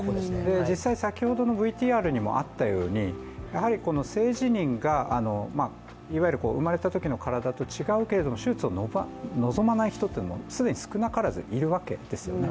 実際、先ほどのＶＴＲにもあったようにこの性自認がいわゆる生まれたときの体と違うけれども手術を望まない人というのも少なからずいるわけですよね。